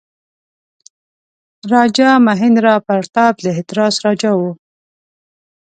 راجا مهیندراپراتاپ د هتراس راجا وو.